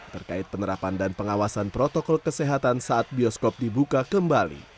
terkait penerapan dan pengawasan protokol kesehatan saat bioskop dibuka kembali